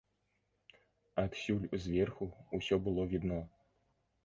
Адсюль зверху ўсё было відно.